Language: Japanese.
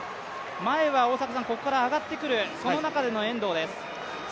前は大迫さん、ここから上がってくる、その中での遠藤です。